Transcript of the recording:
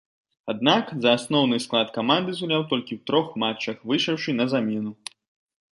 Аднак, за асноўны склад каманды згуляў толькі ў трох матчах, выйшаўшы на замену.